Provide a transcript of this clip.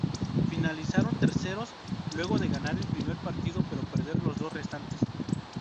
Finalizaron terceros, luego de ganar el primer partido pero perder los dos restantes.